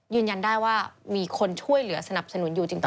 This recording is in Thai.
ยืนยันได้ว่ามีคนช่วยเหลือสนับสนุนอยู่จริง